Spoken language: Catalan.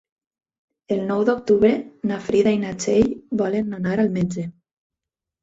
El nou d'octubre na Frida i na Txell volen anar al metge.